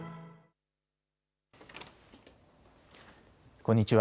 こんにちは。